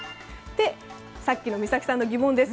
さっきの美沙希さんの疑問です